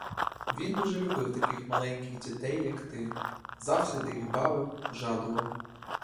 Він дуже любив таких маленьких дітей, як ти; завсігди їх бавив, жалував.